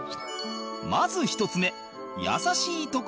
まず１つ目